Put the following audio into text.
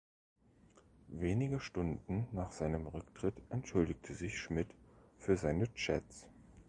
Wenige Stunden nach seinem Rücktritt entschuldigte sich Schmid für seine Chats.